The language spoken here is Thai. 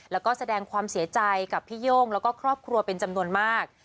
แล้วก็แสดงความเสียใจกับพี่โย่งแล้วก็ครอบครัวเป็นจำนวนมาก